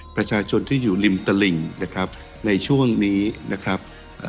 ประชาชนที่อยู่ริมตลิ่งนะครับในช่วงนี้นะครับเอ่อ